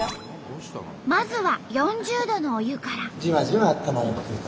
まずは４０℃のお湯から。